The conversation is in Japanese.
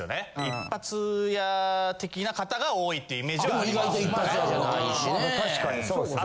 一発屋的な方が多いっていうイメージはあります。